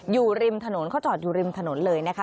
อยู่ริมถนนเขาจอดอยู่ริมถนนเลยนะคะ